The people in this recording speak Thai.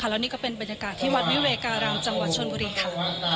แล้วนี่ก็เป็นบรรยากาศที่วัดวิเวการามจังหวัดชนบุรีค่ะ